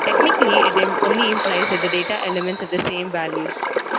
Technically it only implies that the data elements have the same values.